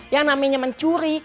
yang namanya mencuri